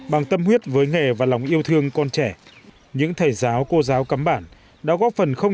bằng tâm huyết với nghề và lòng yêu thương con trẻ những thầy giáo cô giáo cấm bản đã góp phần không